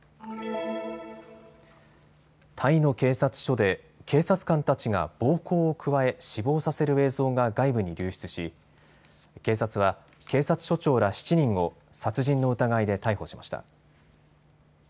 タイの警察署で警察官たちが暴行を加え死亡させる映像が外部に流出し警察は警察署長ら７人を殺人の疑いで逮捕しました。